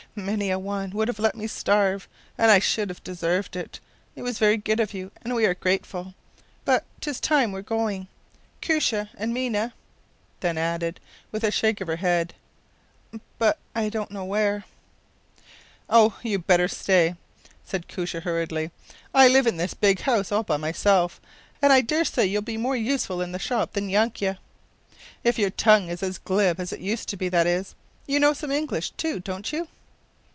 “Many a one would have let me starve, and I should have deserved it. It is very good of you and we are grateful; but ‘tis time we were going, Koosje and Mina;” then added, with a shake of her head, “but I don’t know where.” “Oh, you’d better stay,” said Koosje, hurriedly. “I live in this big house by myself, and I dare say you’ll be more useful in the shop than Yanke if your tongue is as glib as it used to be, that is. You know some English, too, don’t you?